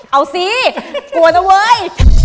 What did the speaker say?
เอาสิกลัวนะเว้ย